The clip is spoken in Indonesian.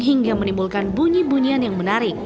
hingga menimbulkan bunyi bunyian yang menarik